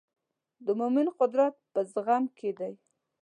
د مؤمن قوت په زغم کې دی.